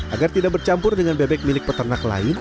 agar tidak bercampur dengan bebek milik peternak lain